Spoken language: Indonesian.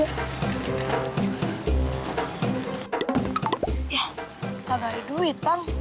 yah kagak ada duit pang